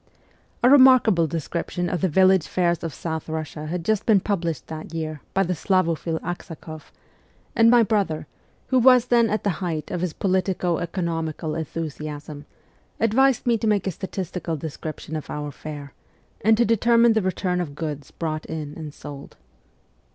A remarkable description of the village fairs of South Russia had just been published that year by the Slavo phile Aksakoff, and my brother, who was then at the height of his politico economical enthusiasm, advised me to make a statistical description of our fair, and to determine the return of goods brought in and sold.